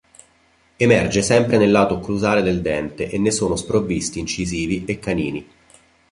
Emerge sempre nel lato occlusale del dente e ne sono sprovvisti incisivi e canini.